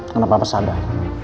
kenapa papa sadar